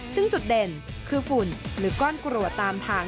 ซึ่งจุดเด่นคือฝุ่นหรือก้อนกรัวตามทาง